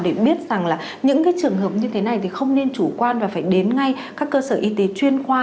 để biết rằng là những cái trường hợp như thế này thì không nên chủ quan và phải đến ngay các cơ sở y tế chuyên khoa